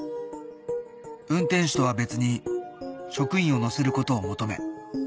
運転手とは別に職員を乗せることを求め